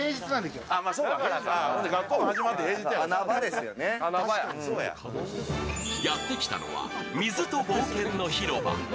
するとやって来たのは水と冒険の広場。